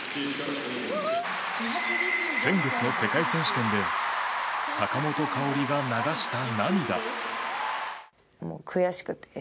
先月の世界選手権で坂本花織が流した涙。